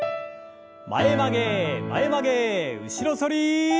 前曲げ前曲げ後ろ反り。